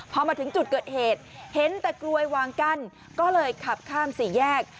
พอมาถึงจุดเกิดเหตุเห็นแต่กลวยวางกั้นก็เลยขับข้ามสี่แยก